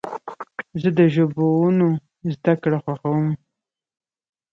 زه د ژبونو زدهکړه خوښوم.